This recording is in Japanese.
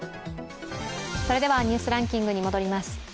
「ニュースランキング」に戻ります。